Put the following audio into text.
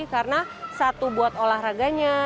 karena satu buat olahraganya